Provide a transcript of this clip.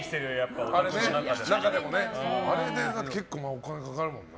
あれで結構お金かかるもんな。